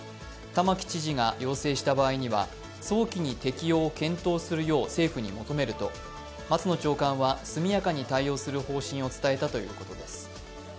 玉城知事が要請した場合には、早期に適用を検討するよう求めると松野長官は速やかに対応する方針を伝えたということです。